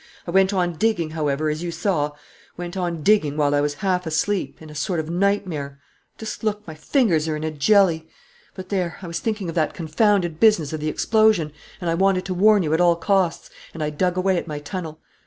I went on digging, however, as you saw, went on digging while I was half asleep, in a sort of nightmare. Just look: my fingers are in a jelly. But there, I was thinking of that confounded business of the explosion and I wanted to warn you at all costs, and I dug away at my tunnel.